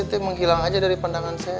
dia menghilang saja dari pandangan saya